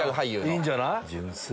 いいんじゃない？